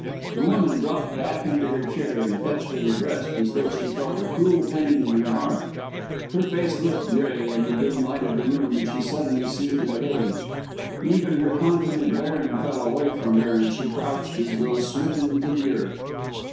The woman dropped back into her chair and clutched at her breast as though she felt a cruel pain in her heart. Her face looked grey in the dim light of the room, and she suddenly seemed to have aged. Even her confident bearing fell away from her and she crouched as though smitten to the earth.